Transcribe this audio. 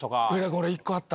俺１個あった！